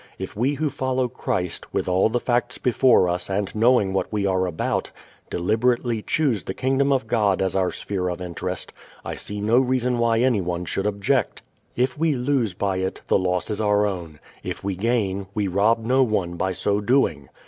If we who follow Christ, with all the facts before us and knowing what we are about, deliberately choose the Kingdom of God as our sphere of interest I see no reason why anyone should object. If we lose by it, the loss is our own; if we gain, we rob no one by so doing.